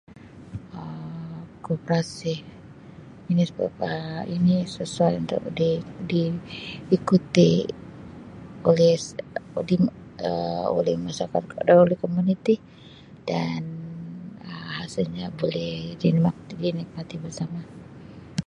Um Koperasi jenis kopera ini sesuai untuk di-di-diikuti oleh [unintelligible] oleh masyarakat oleh komuniti dan Um hasilnya boleh [unintelligible] dinikmati bersama.